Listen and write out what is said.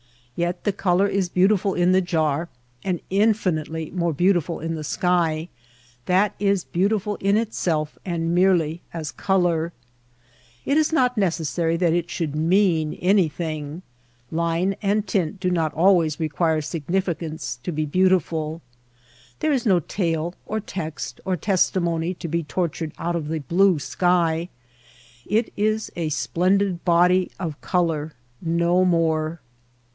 Yet the color is beautiful in the jar and infinitely more beautiful in the sky — that is beautiful in itself and merely as color. It is not necessary that it should mean anything. Line and tint do not always require significance to be beautiful. There is no tale or text or testimony to be tort ured out of the blue sky. It is a splendid body of color ; no more.